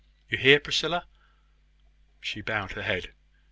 You hear, Priscilla?" She bowed her head.